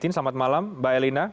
selamat malam mbak elina